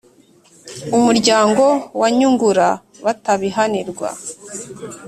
umuryango wa nyungura batabihanirwa?